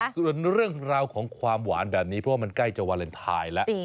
ส่วนเรื่องราวของความหวานแบบนี้เพราะว่ามันใกล้จะวาเลนไทยแล้ว